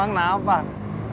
nanti gigi kamu kering